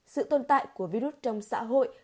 sự tồn tại của virus trong xã hội